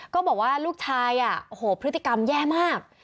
ก็บอกว่าลูกชายพฤติกรรมแย่มาก